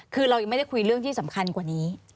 คือเรายังไม่ได้คุยเรื่องที่สำคัญกว่านี้